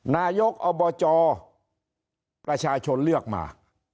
นายกอบจประชาชนเลือกมา